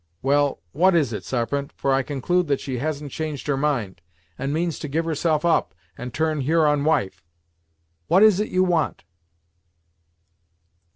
Well, what is it, Sarpent; for I conclude she hasn't changed her mind, and means to give herself up, and turn Huron wife. What is it you want?"